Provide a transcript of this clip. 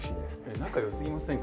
仲良すぎませんか？